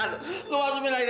aduh lucky lu blok on amat